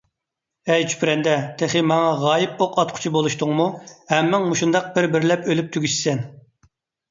ھەي چۈپرەندە، تېخى ماڭا غايىب ئوق ئاتقۇچى بولۇشتۇڭمۇ، ھەممىڭ مۇشۇنداق بىر - بىرلەپ ئۆلۈپ تۈگىشىسەن!